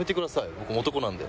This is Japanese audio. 僕も男なんで。